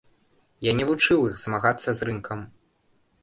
Я не вучыў іх змагацца з рынкам.